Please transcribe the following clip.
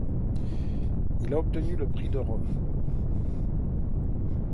Il a obtenu le Prix de Rome.